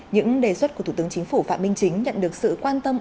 những đề xuất của thủ tướng chính phủ phạm minh chính nhận được sự quan tâm